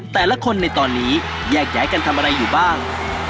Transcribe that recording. แต่ละคนในตอนนี้แยกย้ายกันทำอะไรอยู่บ้าง